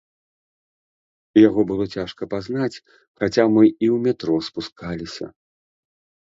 Яго было цяжка пазнаць, хаця мы і ў метро спускаліся.